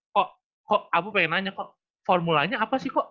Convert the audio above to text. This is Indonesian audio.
kok aku pengen nanya kok formulanya apa sih kok